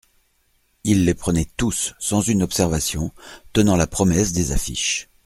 Il les prenait tous, sans une observation, tenant la promesse des affiches.